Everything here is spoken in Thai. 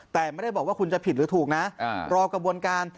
แต่ไม่ได้บอกว่าคุณจะผิดหรือถูกนะรอกระบวนการ